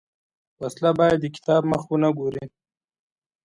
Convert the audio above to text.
وسله باید د کتاب مخ ونه ګوري